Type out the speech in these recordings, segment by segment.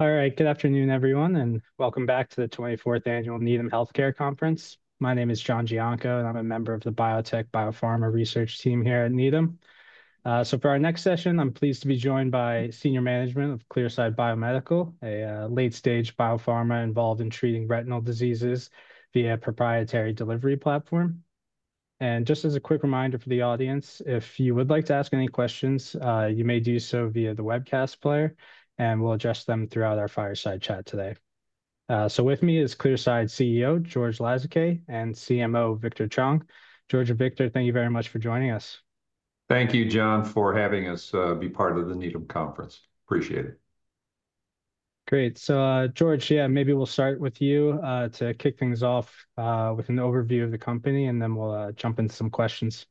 All right, good afternoon, everyone, and welcome back to the 24th Annual Needham Healthcare Conference. My name is John Gianco, and I'm a member of the Biotech Biopharma Research Team here at Needham. For our next session, I'm pleased to be joined by senior management of Clearside Biomedical, a late-stage BioPharma involved in treating retinal diseases via a proprietary delivery platform. Just as a quick reminder for the audience, if you would like to ask any questions, you may do so via the webcast player, and we'll address them throughout our Fireside Chat today. With me is Clearside CEO, George Lasezkay and CMO, Victor Chong. George and Victor, thank you very much for joining us. Thank you, John, for having us be part of the Needham Conference. Appreciate it. Great. George, yeah, maybe we'll start with you to kick things off with an overview of the company, and then we'll jump into some questions.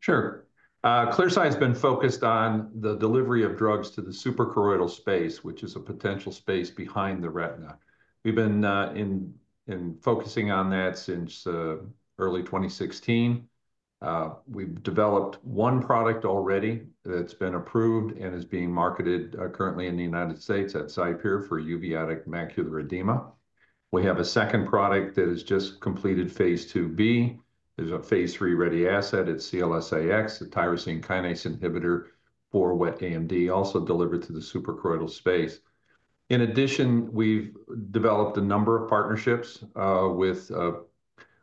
Sure. Clearside has been focused on the delivery of drugs to the suprachoroidal space, which is a potential space behind the retina. We've been focusing on that since early 2016. We've developed one product already that's been approved and is being marketed currently in the United States as Xipere for uveitic macular edema. We have a second product that has just completed phase 2b. There's a phase three ready asset. It's CLS-AX, a tyrosine kinase inhibitor for wet AMD, also delivered to the suprachoroidal space. In addition, we've developed a number of partnerships with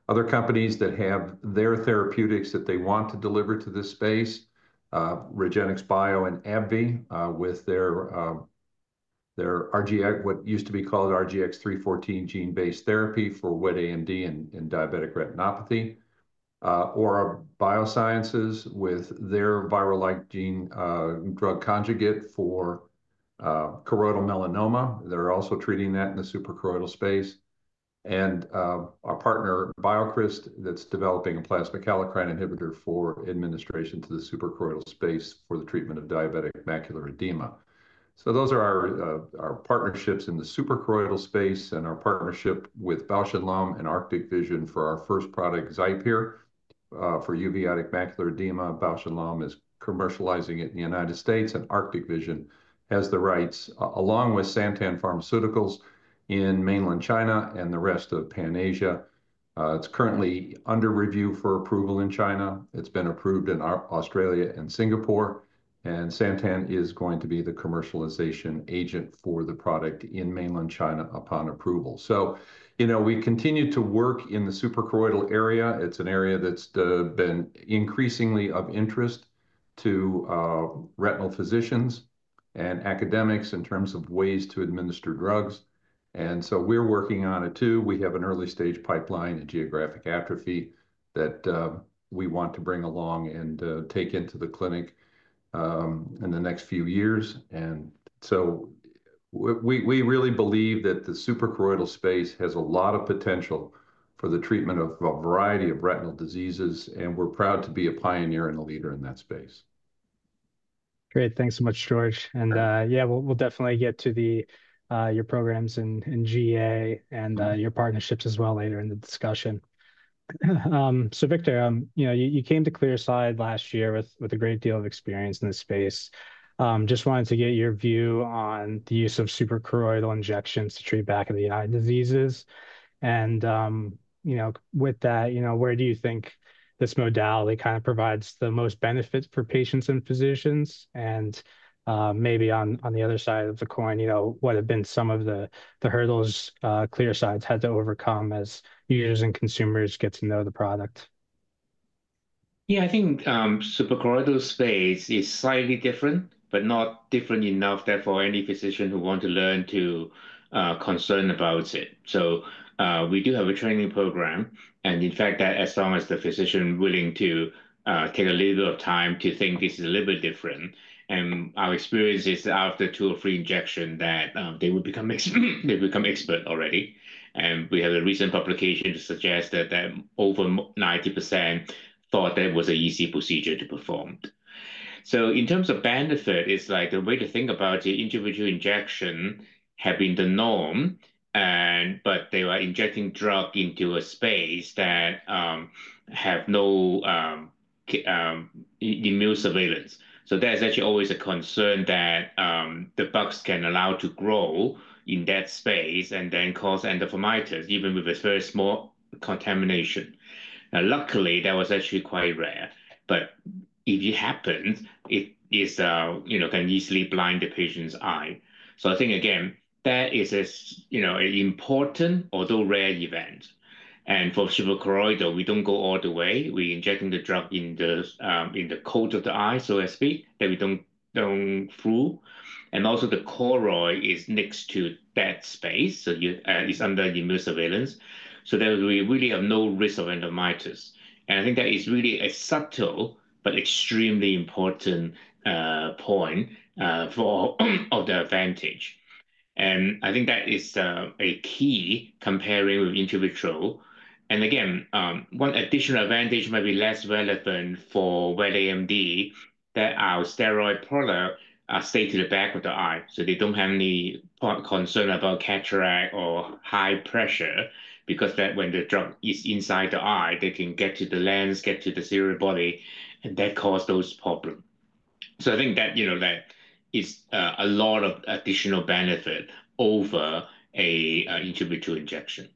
other companies that have their therapeutics that they want to deliver to this space: Regenxbio and AbbVie with their what used to be called RGX-314 gene-based therapy for wet AMD and diabetic retinopathy, Aura Biosciences with their viral-like gene drug conjugate for choroidal melanoma. They're also treating that in the suprachoroidal space. Our partner, BioCryst, that's developing a plasma kallikrein inhibitor for administration to the suprachoroidal space for the treatment of diabetic macular edema. Those are our partnerships in the suprachoroidal space and our partnership with Bausch + Lomb and Arctic Vision for our first product, Xipere. For uveitic macular edema, Bausch + Lomb is commercializing it in the United States, and Arctic Vision has the rights, along with Santen Pharmaceuticals in mainland China and the rest of Pan Asia. It is currently under review for approval in China. It has been approved in Australia and Singapore, and Santen is going to be the commercialization agent for the product in mainland China upon approval. We continue to work in the suprachoroidal area. It is an area that has been increasingly of interest to retinal physicians and academics in terms of ways to administer drugs. We are working on it, too. We have an early-stage pipeline and geographic atrophy that we want to bring along and take into the clinic in the next few years. We really believe that the suprachoroidal space has a lot of potential for the treatment of a variety of retinal diseases, and we are proud to be a pioneer and a leader in that space. Great. Thanks so much, George. Yeah, we'll definitely get to your programs in GA and your partnerships as well later in the discussion. Victor, you came to Clearside last year with a great deal of experience in this space. Just wanted to get your view on the use of suprachoroidal injections to treat back of the eye diseases. With that, where do you think this modality kind of provides the most benefit for patients and physicians? Maybe on the other side of the coin, what have been some of the hurdles Clearside's had to overcome as users and consumers get to know the product? Yeah, I think suprachoroidal space is slightly different, but not different enough, therefore, any physician who wants to learn to concern about it. We do have a training program. In fact, as long as the physician is willing to take a little bit of time to think this is a little bit different, and our experience is after two or three injections that they would become expert already. We have a recent publication to suggest that over 90% thought that was an easy procedure to perform. In terms of benefit, it's like the way to think about individual injections has been the norm, but they are injecting drugs into a space that has no immune surveillance. There's actually always a concern that the bugs can allow to grow in that space and then cause endophthalmitis even with a very small contamination. Luckily, that was actually quite rare. If it happens, it can easily blind the patient's eye. I think, again, that is an important, although rare, event. For suprachoroidal, we do not go all the way. We are injecting the drug in the coat of the eye, so to speak, that we do not go through. Also, the choroid is next to that space, so it is under immune surveillance. There we really have no risk of endophthalmitis. I think that is really a subtle but extremely important point for the advantage. I think that is a key comparing with intravitreal. Again, one additional advantage might be less relevant for wet AMD that our steroid products stay to the back of the eye. They don't have any concern about cataract or high pressure because when the drug is inside the eye, they can get to the lens, get to the ciliary body, and that causes those problems. I think that is a lot of additional benefit over an individual injection.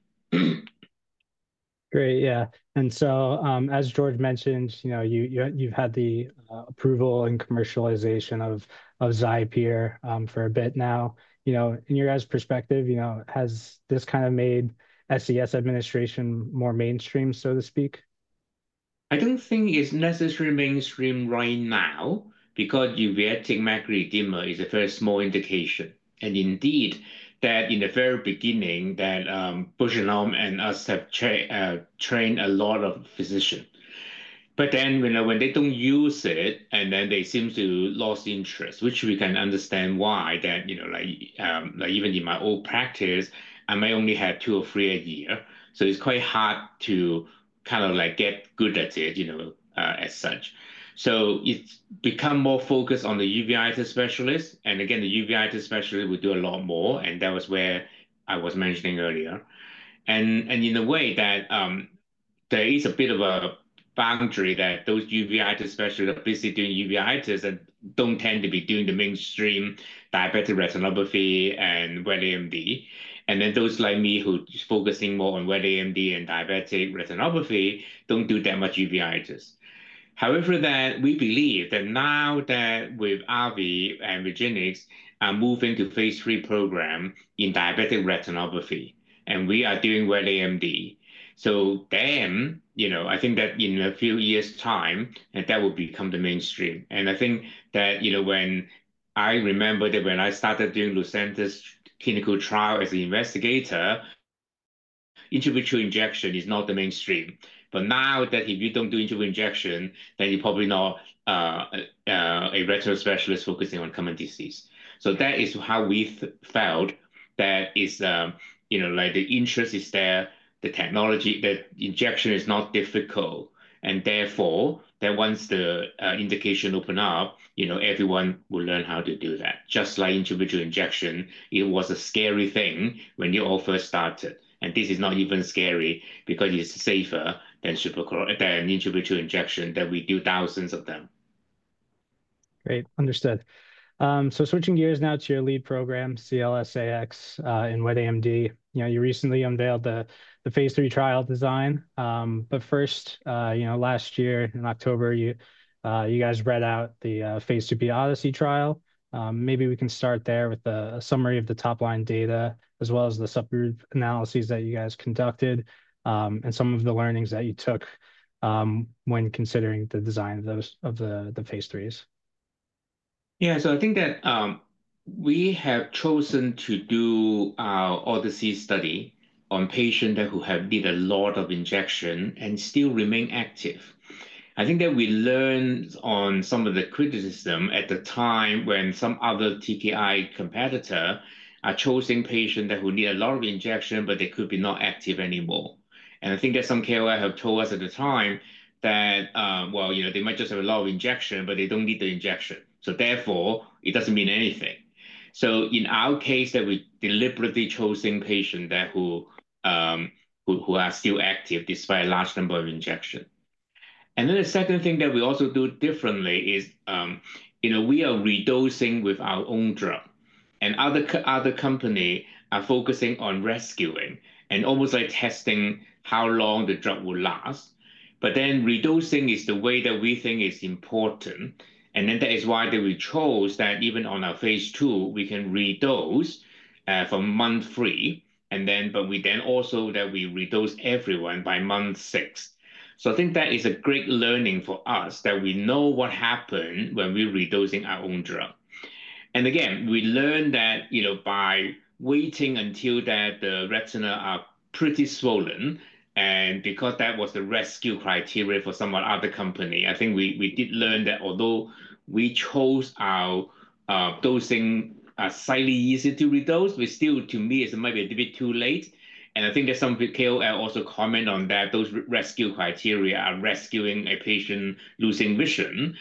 Great. Yeah. As George mentioned, you've had the approval and commercialization of Xipere for a bit now. In your guys' perspective, has this kind of made SCS administration more mainstream, so to speak? I don't think it's necessarily mainstream right now because uveitic macular edema is a very small indication. Indeed, in the very beginning, Bausch + Lomb and us have trained a lot of physicians. When they don't use it, they seem to lose interest, which we can understand why. Even in my old practice, I may only have two or three a year. It's quite hard to kind of get good at it as such. It has become more focused on the uveitis specialist. Again, the uveitis specialist will do a lot more. That was where I was mentioning earlier. In a way, there is a bit of a boundary that those uveitis specialists are busy doing uveitis and don't tend to be doing the mainstream diabetic retinopathy and wet AMD. Those like me who are focusing more on wet AMD and diabetic retinopathy do not do that much uveitis. However, we believe that now that with AbbVie and Regenxbio are moving to phase three programs in diabetic retinopathy, and we are doing wet AMD, I think that in a few years' time, that will become the mainstream. I think that when I remember that when I started doing Lucentis clinical trial as an investigator, intravitreal injection was not the mainstream. Now, if you do not do intravitreal injection, then you are probably not a retinal specialist focusing on common disease. That is how we felt that the interest is there, the technology, that injection is not difficult. Therefore, once the indication opens up, everyone will learn how to do that. Just like intravitreal injection, it was a scary thing when you all first started. This is not even scary because it's safer than intravitreal injection that we do thousands of them. Great. Understood. Switching gears now to your lead program, CLS-AX in wet AMD. You recently unveiled the phase three trial design. First, last year in October, you guys read out the phase 2B Odyssey trial. Maybe we can start there with a summary of the top-line data as well as the subgroup analyses that you guys conducted and some of the learnings that you took when considering the design of the phase threes. Yeah. I think that we have chosen to do Odyssey study on patients that have needed a lot of injection and still remain active. I think that we learned on some of the criticism at the time when some other TKI competitor are chosing patients that will need a lot of injection, but they could be not active anymore. I think that some KOL have told us at the time that, well, they might just have a lot of injection, but they do not need the injection. Therefore, it does not mean anything. In our case, we deliberately chose patients who are still active despite a large number of injections. The second thing that we also do differently is we are re-dosing with our own drug. Other companies are focusing on rescuing and almost like testing how long the drug will last. Re-dosing is the way that we think is important. That is why we chose that even on our phase two, we can re-dose from month three. We also re-dose everyone by month six. I think that is a great learning for us that we know what happened when we're re-dosing our own drug. Again, we learned that by waiting until the retina is pretty swollen. Because that was the rescue criteria for some other company, I think we did learn that although we chose our dosing slightly easier to re-dose, to me, it might be a bit too late. I think that some KOI also comment on that those rescue criteria are rescuing a patient losing vision,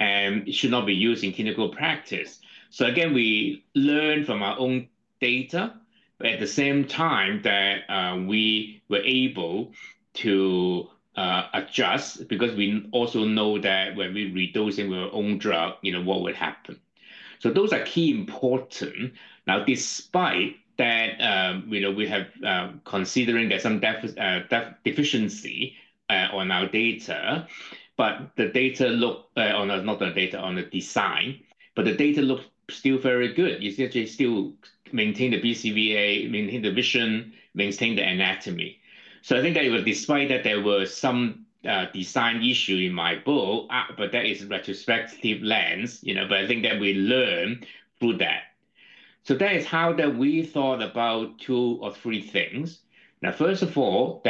and it should not be used in clinical practice. Again, we learned from our own data, but at the same time, we were able to adjust because we also know that when we're re-dosing with our own drug, what would happen. Those are key, important. Now, despite that, we have considered that some deficiency on our data, but the data looked not on the data, on the design, but the data looked still very good. You see, it still maintained the BCVA, maintained the vision, maintained the anatomy. I think that despite that, there were some design issues in my book, but that is a retrospective lens. I think that we learned through that. That is how we thought about two or three things. First of all,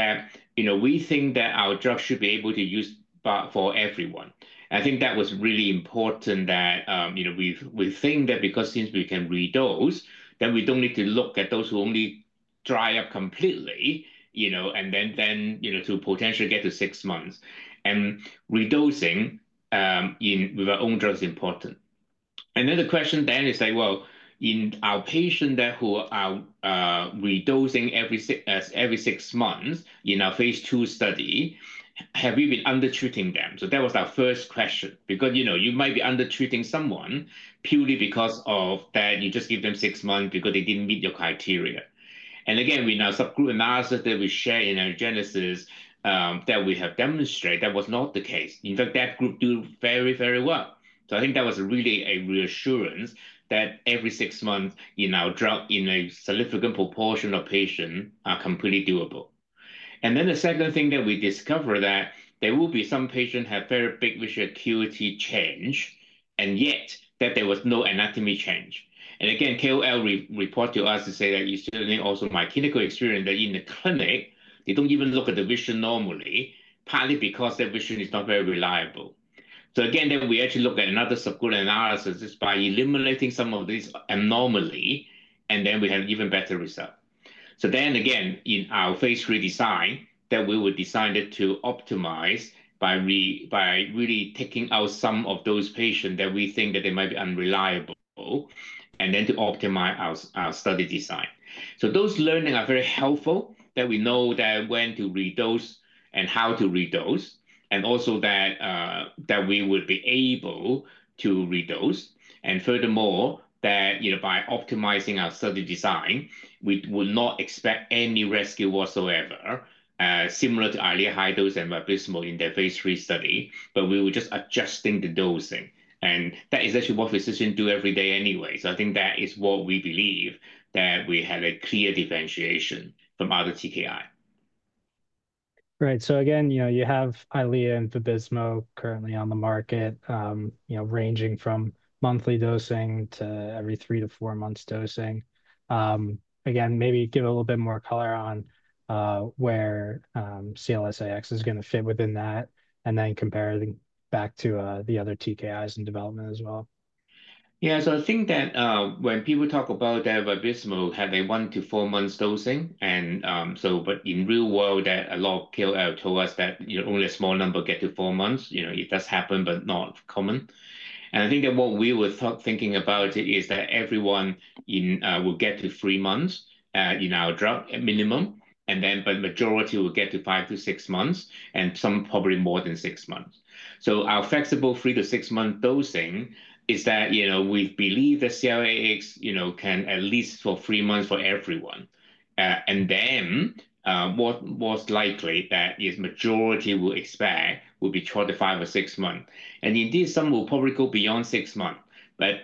we think that our drug should be able to be used for everyone. I think that was really important that we think that because since we can re-dose, then we do not need to look at those who only dry up completely and then to potentially get to six months. Re-dosing with our own drugs is important. Another question is like, in our patients that who are re-dosing every six months in our phase two study, have we been undertreating them? That was our first question because you might be undertreating someone purely because you just give them six months because they did not meet your criteria. Again, with our subgroup analysis that we shared in our Genesis, we have demonstrated that was not the case. In fact, that group did very, very well. I think that was really a reassurance that every six months in our drug, in a significant proportion of patients, are completely doable. The second thing that we discovered is that there will be some patients who have very big visual acuity change, and yet there was no anatomy change. Again, KOL reported to us to say that certainly also my clinical experience that in the clinic, they do not even look at the vision normally, partly because their vision is not very reliable. Again, we actually looked at another subgroup analysis by eliminating some of these anomalies, and then we have an even better result. In our phase three design, we would design it to optimize by really taking out some of those patients that we think might be unreliable and then to optimize our study design. Those learnings are very helpful that we know when to re-dose and how to re-dose, and also that we would be able to re-dose. Furthermore, by optimizing our study design, we would not expect any rescue whatsoever, similar to Eylea high-dose and Vabysmo in the phase three study, but we were just adjusting the dosing. That is actually what physicians do every day anyway. I think that is what we believe, that we had a clear differentiation from other TKI. Right. Again, you have Eylea and Vabysmo currently on the market, ranging from monthly dosing to every three- to four-month dosing. Again, maybe give a little bit more color on where CLS-AX is going to fit within that and then compare it back to the other TKIs in development as well. Yeah. I think that when people talk about Vabysmo, they have that one to four months dosing. In real world, a lot of KOL told us that only a small number get to four months. It does happen, but not common. I think that what we were thinking about is that everyone will get to three months in our drug at minimum, but the majority will get to five to six months and some probably more than six months. Our flexible three to six-month dosing is that we believe that CLS-AX can at least for three months for everyone. Then what's likely is the majority will expect will be three to five or six months. Indeed, some will probably go beyond six months.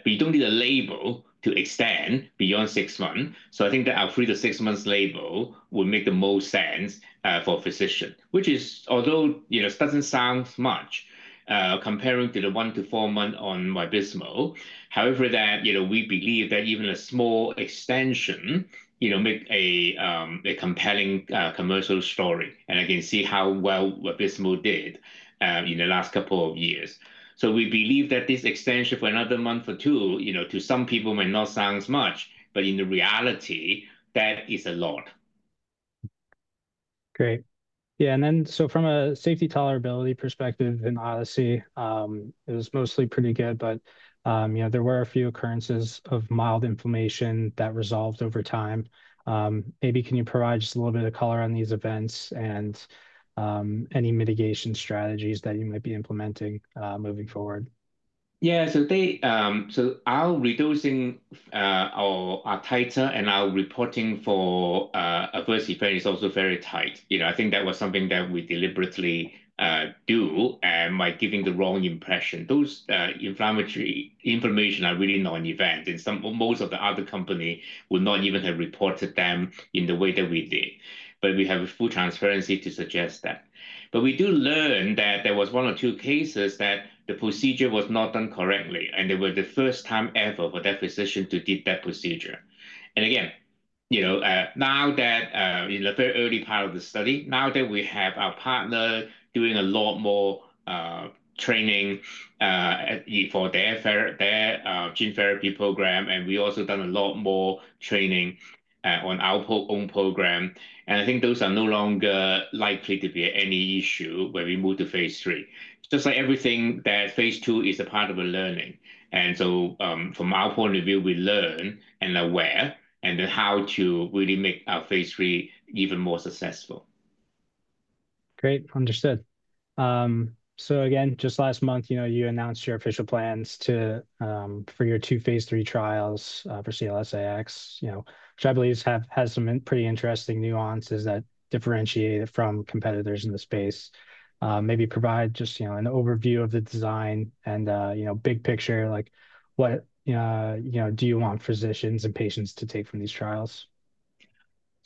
We do not need a label to extend beyond six months. I think that our three to six-months label would make the most sense for physicians, which is, although it does not sound like much comparing to the one to four months on Vabysmo. However, we believe that even a small extension makes a compelling commercial story. I can see how well Vabysmo did in the last couple of years. We believe that this extension for another month or two to some people may not sound like much, but in reality, that is a lot. Great. Yeah. From a safety tolerability perspective in Odyssey, it was mostly pretty good, but there were a few occurrences of mild inflammation that resolved over time. Maybe can you provide just a little bit of color on these events and any mitigation strategies that you might be implementing moving forward? Yeah. Our re-dosing title and our reporting for adverse events is also very tight. I think that was something that we deliberately do and might give the wrong impression. Those inflammatory inflammation are really non-event. Most of the other companies would not even have reported them in the way that we did. We have full transparency to suggest that. We do learn that there was one or two cases that the procedure was not done correctly. They were the first time ever for that physician to do that procedure. Now that in the very early part of the study, now that we have our partner doing a lot more training for their gene therapy program, and we also done a lot more training on our own program. I think those are no longer likely to be any issue when we move to phase three. Just like everything, that phase two is a part of a learning. From our point of view, we learn and are aware and how to really make our phase three even more successful. Great. Understood. Again, just last month, you announced your official plans for your two phase three trials for CLS-AX, which I believe has some pretty interesting nuances that differentiate it from competitors in the space. Maybe provide just an overview of the design and big picture, like what do you want physicians and patients to take from these trials?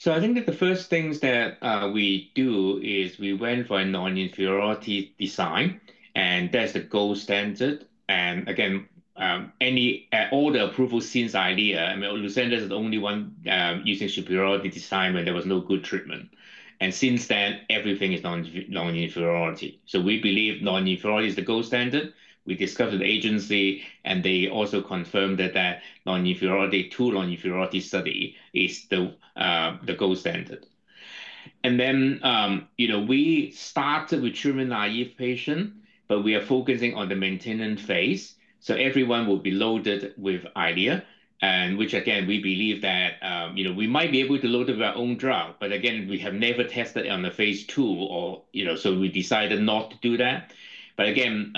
I think that the first things that we do is we went for a non-inferiority design. That's the gold standard. Again, all the approval since idea, Lucentis is the only one using superiority design when there was no good treatment. Since then, everything is non-inferiority. We believe non-inferiority is the gold standard. We discussed with the agency, and they also confirmed that non-inferiority, true non-inferiority study is the gold standard. We started with treatment naive patients, but we are focusing on the maintenance phase. Everyone will be loaded with Eylea, which again, we believe that we might be able to load with our own drug. Again, we have never tested on the phase two, so we decided not to do that. Again,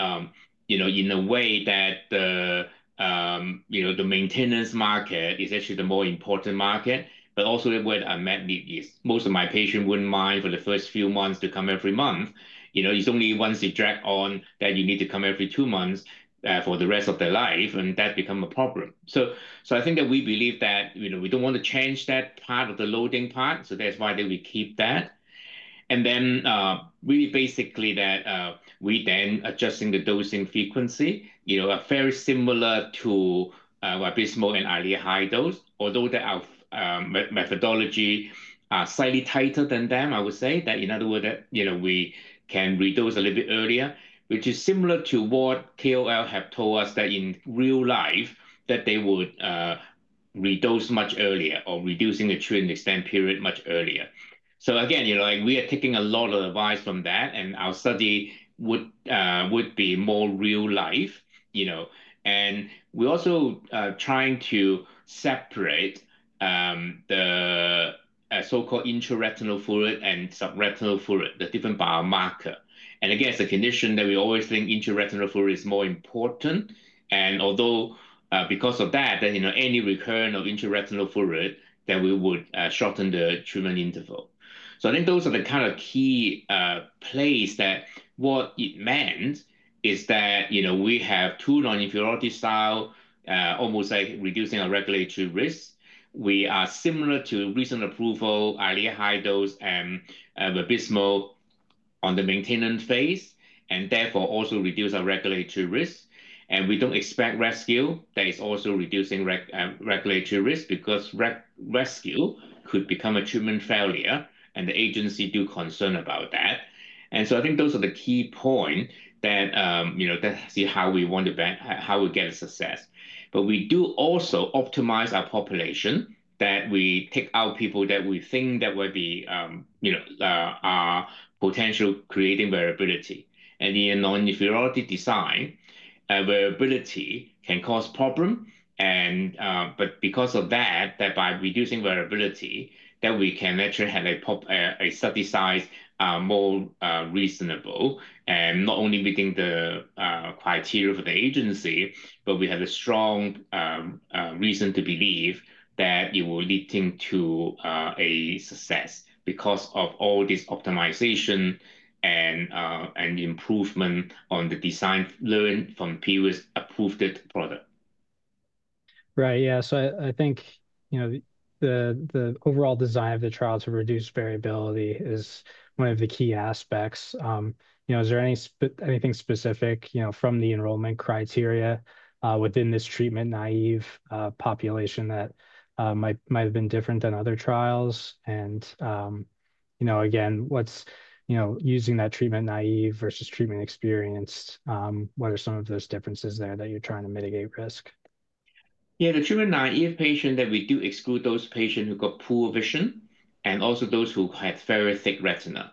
in a way that the maintenance market is actually the more important market, but also where most of my patients would not mind for the first few months to come every month. It is only once you drag on that you need to come every two months for the rest of their life, and that becomes a problem. I think that we believe that we do not want to change that part of the loading part. That is why we keep that. Then really basically that we then adjusting the dosing frequency very similar to Vabysmo and Eylea high dose, although our methodology is slightly tighter than them, I would say. In other words, that we can re-dose a little bit earlier, which is similar to what KOL have told us that in real life that they would re-dose much earlier or reducing the treatment extent period much earlier. Again, we are taking a lot of advice from that, and our study would be more real life. We are also trying to separate the so-called intraretinal fluid and subretinal fluid, the different biomarker. Again, it's a condition that we always think intraretinal fluid is more important. Although because of that, any recurrent of intraretinal fluid, then we would shorten the treatment interval. I think those are the kind of key plays that what it meant is that we have two non-inferiority styles, almost like reducing our regulatory risk. We are similar to recent approval, Eylea high dose and Vabysmo on the maintenance phase, and therefore also reduce our regulatory risk. We do not expect rescue. That is also reducing regulatory risk because rescue could become a treatment failure, and the agency is concerned about that. I think those are the key points that see how we want to how we get success. We do also optimize our population that we take out people that we think that will be our potential creating variability. In non-inferiority design, variability can cause problems. Because of that, by reducing variability, we can actually have a study size more reasonable and not only meeting the criteria for the agency, but we have a strong reason to believe that it will lead to a success because of all this optimization and improvement on the design learned from previous approved product. Right. Yeah. I think the overall design of the trials to reduce variability is one of the key aspects. Is there anything specific from the enrollment criteria within this treatment naive population that might have been different than other trials? Again, using that treatment naive versus treatment experienced, what are some of those differences there that you're trying to mitigate risk? Yeah. The treatment naive patient that we do exclude those patients who got poor vision and also those who had very thick retina.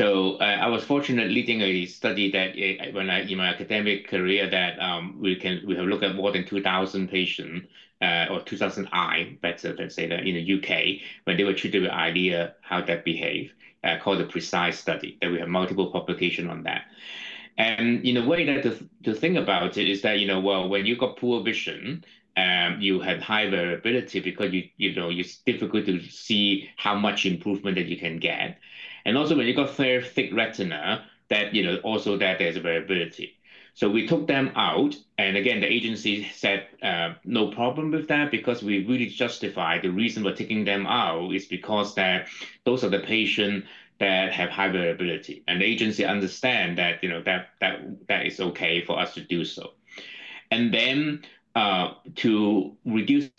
I was fortunate leading a study that in my academic career that we have looked at more than 2,000 patients or 2,000 eye, let's say, in the U.K. when they were treated with Eylea, how that behaved, called a precise study that we have multiple publications on that. In a way to think about it is that, when you got poor vision, you had high variability because it's difficult to see how much improvement that you can get. Also when you got very thick retina, also that there's a variability. We took them out. The agency said no problem with that because we really justified the reason we're taking them out is because those are the patients that have high variability. The agency understands that that is okay for us to do so. To reduce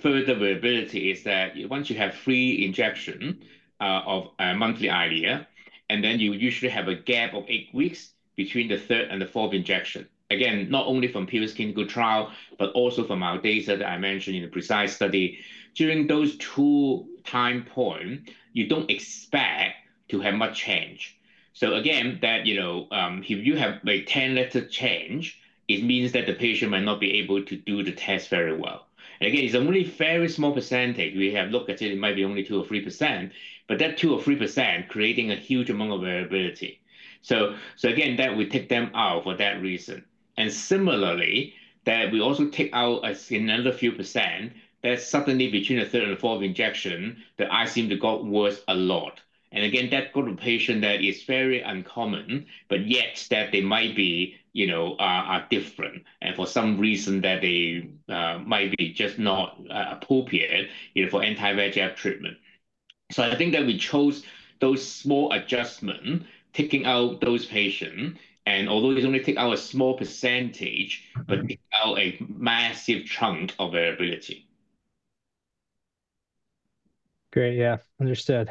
further variability, once you have three injections of monthly Eylea, you usually have a gap of eight weeks between the third and the fourth injection. Not only from previous clinical trial, but also from our data that I mentioned in the precise study, during those two time points, you don't expect to have much change. If you have a 10-letter change, it means that the patient might not be able to do the test very well. It's only a very small percentage. We have looked at it. It might be only 2% or 3%, but that 2% or 3% creating a huge amount of variability. Again, we take them out for that reason. Similarly, we also take out another few percent that suddenly between the third and fourth injection, the eyes seem to got worse a lot. Again, that got a patient that is very uncommon, but yet they might be different and for some reason they might be just not appropriate for anti-VEGF treatment. I think that we chose those small adjustments, taking out those patients. Although it only takes out a small percentage, it takes out a massive chunk of variability. Great. Yeah. Understood.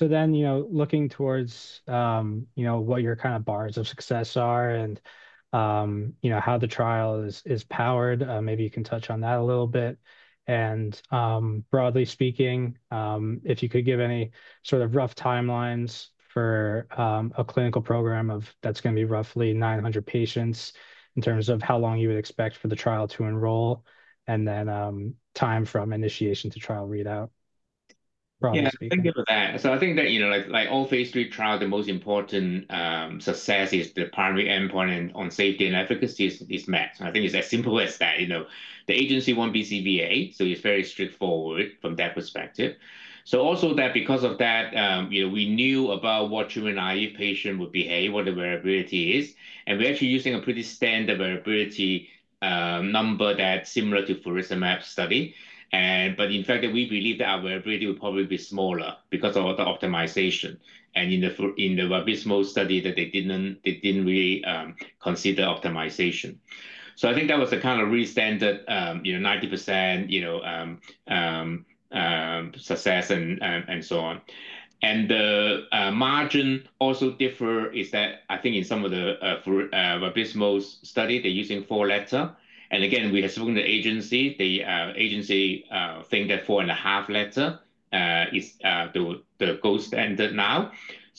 Looking towards what your kind of bars of success are and how the trial is powered, maybe you can touch on that a little bit. Broadly speaking, if you could give any sort of rough timelines for a clinical program that's going to be roughly 900 patients in terms of how long you would expect for the trial to enroll and then time from initiation to trial readout. Yeah. I think of that. I think that all phase three trials, the most important success is the primary endpoint on safety and efficacy is met. I think it's as simple as that. The agency won't be BCVA, so it's very straightforward from that perspective. Also, because of that, we knew about what treatment naive patient would behave, what the variability is. We're actually using a pretty standard variability number that's similar to faricimab study. In fact, we believe that our variability will probably be smaller because of the optimization. In the Vabysmo study, they didn't really consider optimization. I think that was a kind of really standard 90% success and so on. The margin also differs. I think in some of the Vabysmo study, they're using four letters. Again, we have spoken to the agency. The agency think that four and a half letters is the gold standard now.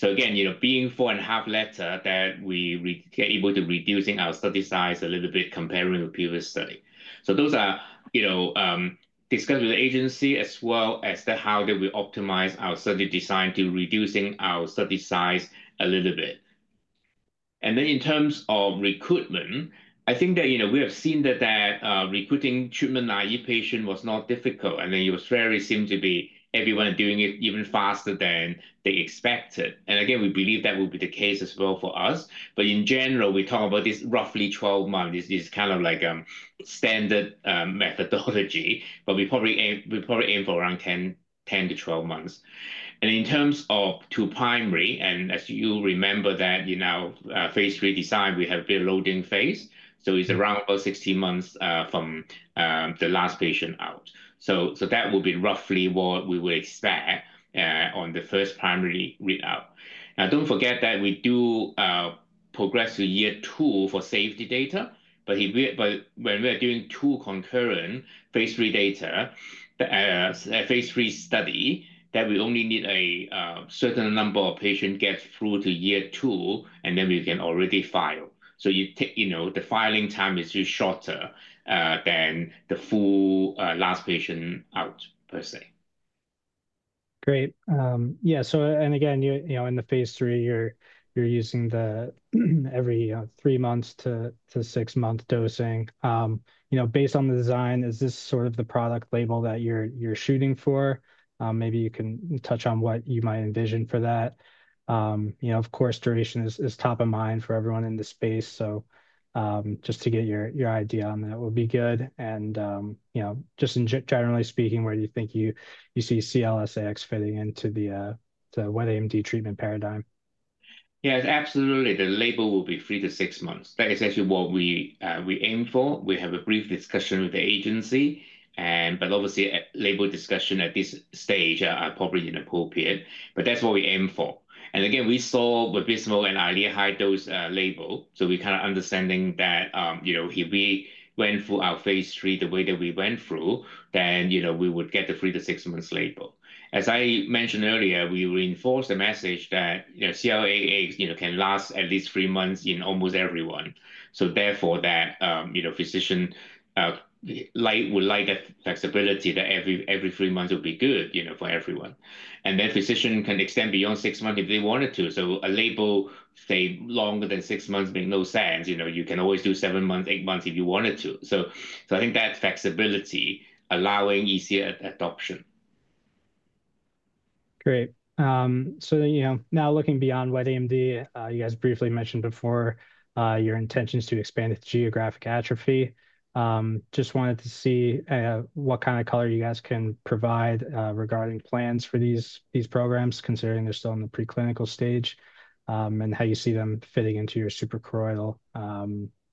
Again, being four and a half letters, that we get able to reduce our study size a little bit comparing with previous study. Those are discussed with the agency as well as how did we optimize our study design to reducing our study size a little bit. In terms of recruitment, I think that we have seen that recruiting treatment naive patient was not difficult. It was very seemed to be everyone doing it even faster than they expected. Again, we believe that will be the case as well for us. In general, we talk about this roughly 12 months. It's kind of like a standard methodology, but we probably aim for around 10 months-12 months. In terms of the primary, and as you remember that phase three design, we have a loading phase. It is around 16 months from the last patient out. That will be roughly what we would expect on the first primary readout. Do not forget that we do progress to year two for safety data. When we are doing two concurrent phase three studies, we only need a certain number of patients to get through to year two, and then we can already file. The filing time is just shorter than the full last patient out per se. Great. Yeah. In the phase three, you're using the every three months to six months dosing. Based on the design, is this sort of the product label that you're shooting for? Maybe you can touch on what you might envision for that. Of course, duration is top of mind for everyone in the space. Just to get your idea on that would be good. Just generally speaking, where do you think you see CLS-AX fitting into the wet AMD treatment paradigm? Yeah, absolutely. The label will be three to six months. That is actually what we aim for. We have a brief discussion with the agency. Obviously, label discussion at this stage are probably inappropriate. That is what we aim for. Again, we saw Vabysmo and Eylea high dose label. We kind of understanding that if we went through our phase three the way that we went through, then we would get the three to six months label. As I mentioned earlier, we reinforced the message that CLS-AX can last at least three months in almost everyone. Therefore, that physician would like that flexibility that every three months would be good for everyone. Then physician can extend beyond six months if they wanted to. A label, say, longer than six months makes no sense. You can always do seven months, eight months if you wanted to. I think that flexibility allowing easier adoption. Great. Now looking beyond wet AMD, you guys briefly mentioned before your intentions to expand with geographic atrophy. Just wanted to see what kind of color you guys can provide regarding plans for these programs, considering they're still in the preclinical stage and how you see them fitting into your suprachoroidal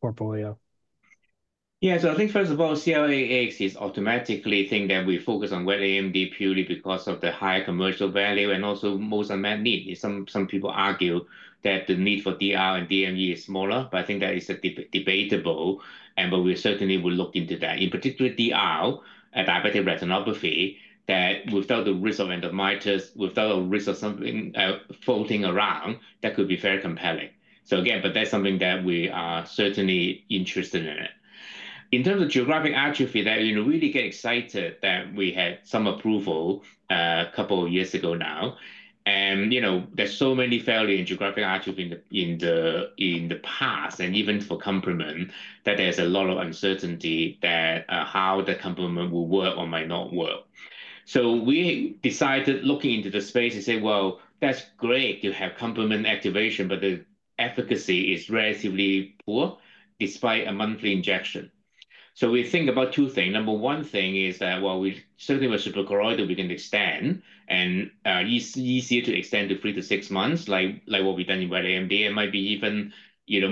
portfolio. Yeah. I think first of all, CLS-AX is automatically the thing that we focus on in wet AMD purely because of the high commercial value and also most unmet need. Some people argue that the need for DR and DME is smaller, but I think that is debatable. We certainly will look into that. In particular, DR, diabetic retinopathy, that without the risk of endophthalmitis, without the risk of something floating around, that could be very compelling. That is something that we are certainly interested in. In terms of geographic atrophy, we really get excited that we had some approval a couple of years ago now. There are so many failures in geographic atrophy in the past and even for complement that there is a lot of uncertainty about how the complement will work or might not work. We decided looking into the space and say, well, that's great to have complement activation, but the efficacy is relatively poor despite a monthly injection. We think about two things. Number one thing is that while we certainly were super correlated, we can extend and easier to extend to three to six months like what we've done in wet AMD. It might be even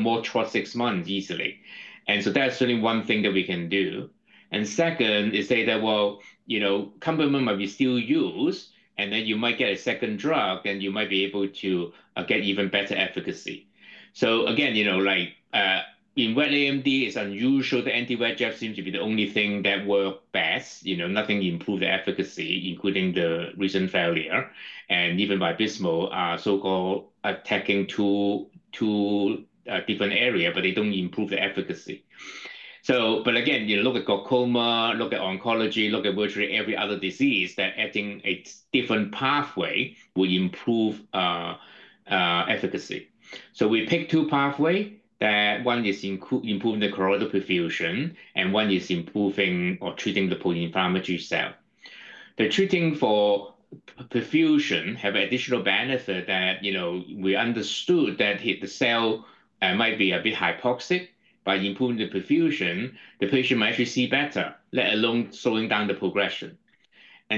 more towards six months easily. That's certainly one thing that we can do. Second is say that, well, complement might be still used, and then you might get a second drug, then you might be able to get even better efficacy. Again, in wet AMD, it's unusual that anti-VEGF seems to be the only thing that worked best. Nothing improved the efficacy, including the recent failure. Even Vabysmo are so-called attacking two different areas, but they do not improve the efficacy. Again, look at glaucoma, look at oncology, look at virtually every other disease that I think a different pathway would improve efficacy. We picked two pathways. One is improving the choroidal perfusion, and one is improving or treating the protein inflammatory cell. The treating for perfusion has additional benefit that we understood that the cell might be a bit hypoxic, but improving the perfusion, the patient might actually see better, let alone slowing down the progression.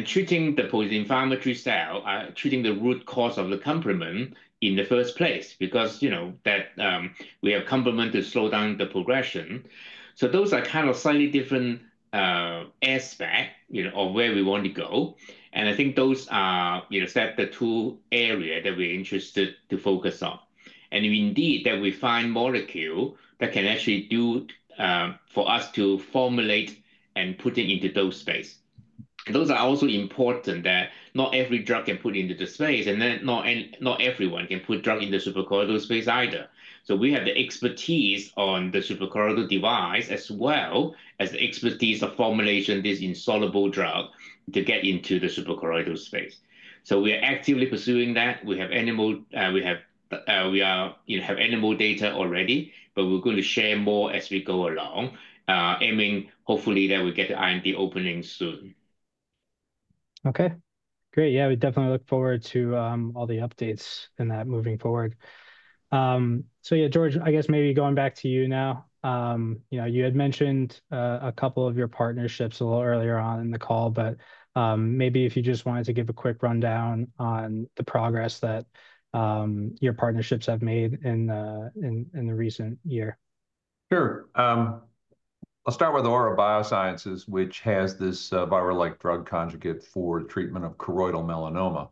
Treating the protein inflammatory cell, treating the root cause of the complement in the first place because we have complement to slow down the progression. Those are kind of slightly different aspects of where we want to go. I think those are the two areas that we are interested to focus on. Indeed, that we find molecule that can actually do for us to formulate and put it into those space. Those are also important that not every drug can put into the space, and not everyone can put drug in the suprachoroidal space either. We have the expertise on the suprachoroidal device as well as the expertise of formulation this insoluble drug to get into the suprachoroidal space. We are actively pursuing that. We have animal data already, but we're going to share more as we go along, aiming hopefully that we get the IND opening soon. Okay. Great. Yeah. We definitely look forward to all the updates in that moving forward. Yeah, George, I guess maybe going back to you now, you had mentioned a couple of your partnerships a little earlier on in the call, but maybe if you just wanted to give a quick rundown on the progress that your partnerships have made in the recent year. Sure. I'll start with Aura Biosciences, which has this viral-like drug conjugate for treatment of choroidal melanoma.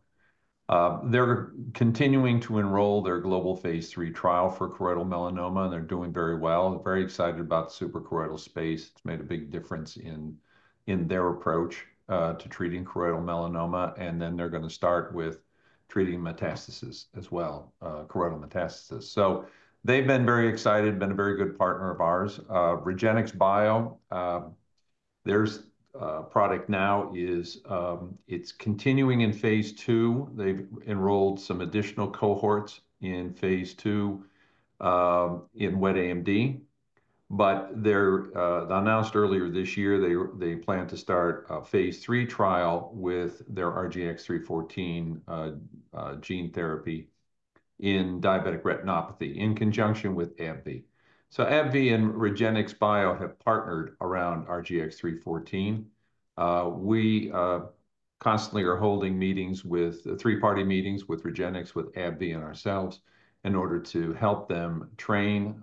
They're continuing to enroll their global phase three trial for choroidal melanoma, and they're doing very well. Very excited about the suprachoroidal space. It's made a big difference in their approach to treating choroidal melanoma. They're going to start with treating metastasis as well, choroidal metastasis. They've been very excited, been a very good partner of ours. Regenxbio, their product now is it's continuing in phase two. They've enrolled some additional cohorts in phase two in wet AMD. They announced earlier this year they plan to start a phase three trial with their RGX-314 gene therapy in diabetic retinopathy in conjunction with AbbVie. AbbVie and Regenxbio have partnered around RGX-314. We constantly are holding meetings with three-party meetings with Regenxbio, with AbbVie, and ourselves in order to help them train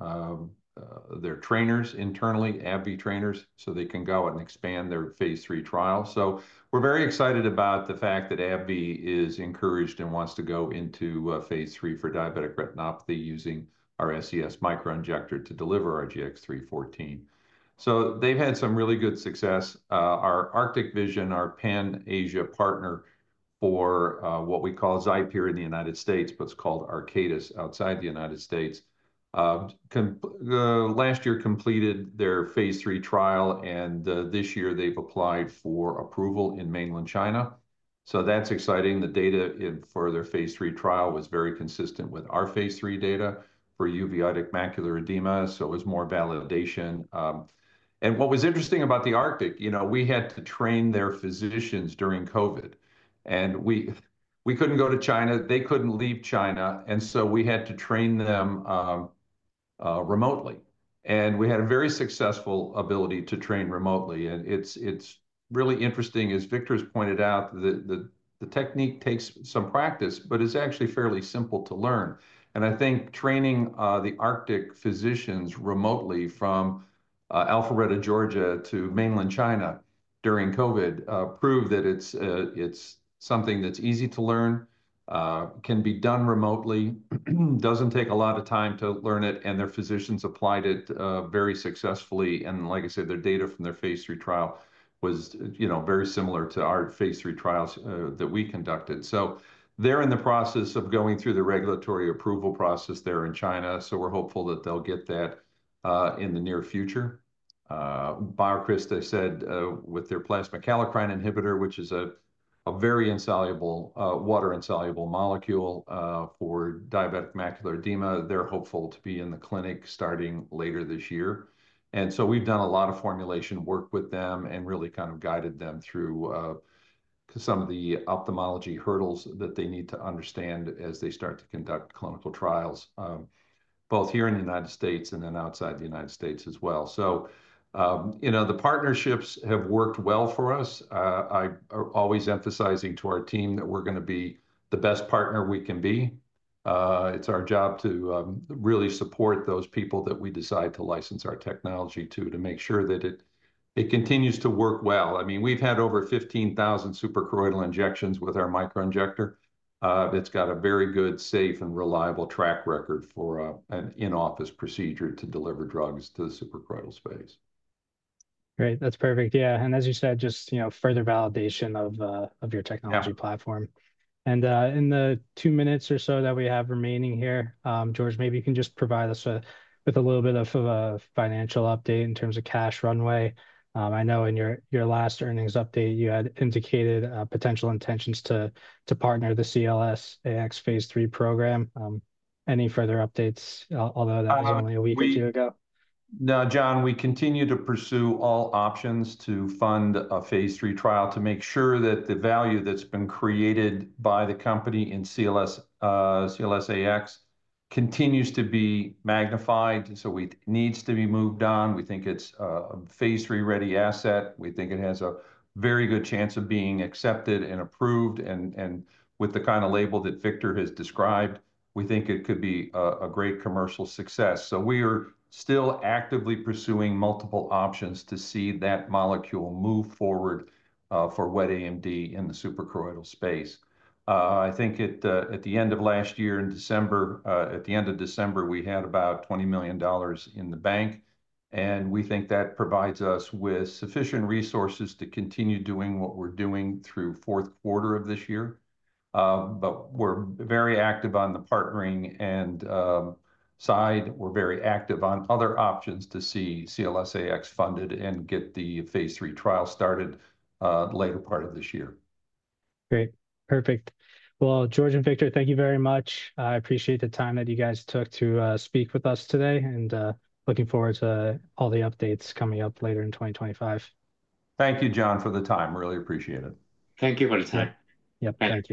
their trainers internally, AbbVie trainers, so they can go and expand their phase three trial. We are very excited about the fact that AbbVie is encouraged and wants to go into phase three for diabetic retinopathy using our SCS Microinjector to deliver RGX-314. They have had some really good success. Our Arctic Vision, our Pan-Asia partner for what we call XIPERE in the United States, but it is called Arcatis outside the United States, last year completed their phase three trial, and this year they have applied for approval in mainland China. That is exciting. The data for their phase three trial was very consistent with our phase three data for uveitic macular edema. It was more validation. What was interesting about the Arctic, we had to train their physicians during COVID. We couldn't go to China. They couldn't leave China. We had to train them remotely. We had a very successful ability to train remotely. It's really interesting, as Victor has pointed out, that the technique takes some practice, but it's actually fairly simple to learn. I think training the Arctic physicians remotely from Alpharetta, Georgia, to mainland China during COVID proved that it's something that's easy to learn, can be done remotely, doesn't take a lot of time to learn it, and their physicians applied it very successfully. Like I said, their data from their phase three trial was very similar to our phase three trials that we conducted. They are in the process of going through the regulatory approval process there in China. We're hopeful that they'll get that in the near future. BioCryst, I said, with their plasma kallikrein inhibitor, which is a very insoluble, water insoluble molecule for diabetic macular edema, they're hopeful to be in the clinic starting later this year. We've done a lot of formulation work with them and really kind of guided them through some of the ophthalmology hurdles that they need to understand as they start to conduct clinical trials, both here in the U.S. and then outside the U.S. as well. The partnerships have worked well for us. I'm always emphasizing to our team that we're going to be the best partner we can be. It's our job to really support those people that we decide to license our technology to, to make sure that it continues to work well. I mean, we've had over 15,000 suprachoroidal injections with our microinjector. It's got a very good, safe, and reliable track record for an in-office procedure to deliver drugs to the suprachoroidal space. Great. That's perfect. Yeah. As you said, just further validation of your technology platform. In the two minutes or so that we have remaining here, George, maybe you can just provide us with a little bit of a financial update in terms of cash runway. I know in your last earnings update, you had indicated potential intentions to partner the CLS-AX phase three program. Any further updates, although that was only a week or two ago? No, John, we continue to pursue all options to fund a phase three trial to make sure that the value that's been created by the company in CLS-AX continues to be magnified. It needs to be moved on. We think it's a phase three ready asset. We think it has a very good chance of being accepted and approved. With the kind of label that Victor has described, we think it could be a great commercial success. We are still actively pursuing multiple options to see that molecule move forward for wet AMD in the suprachoroidal space. I think at the end of last year in December, at the end of December, we had about $20 million in the bank. We think that provides us with sufficient resources to continue doing what we're doing through fourth quarter of this year. We're very active on the partnering side. We're very active on other options to see CLS-AX funded and get the phase three trial started later part of this year. Great. Perfect. George and Victor, thank you very much. I appreciate the time that you guys took to speak with us today and looking forward to all the updates coming up later in 2025. Thank you, John, for the time. Really appreciate it. Thank you for the time. Yep. Thank you.